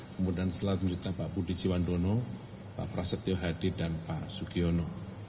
kemudian selanjutnya pak budi jiwandono pak prasetyo hadi dan pak sugiono